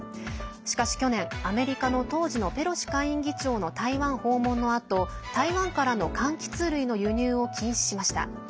しかし去年、アメリカの当時のペロシ下院議長の台湾訪問のあと台湾からのかんきつ類の輸入を禁止しました。